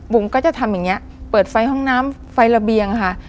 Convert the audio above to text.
ก็จะทำอย่างนี้เปิดไฟห้องน้ำไฟระเบียงค่ะ